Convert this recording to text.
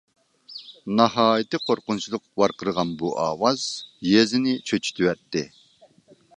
ناھايىتى قورقۇنچلۇق ۋارقىرىغان بۇ ئاۋاز يېزىنى چۆچۈتۈۋەتتى.